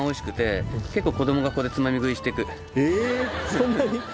そんなに？